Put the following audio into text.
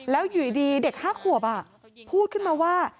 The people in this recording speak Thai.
แล้วอยู่ดีเด็ก๕ขวบพูดขึ้นมาว่า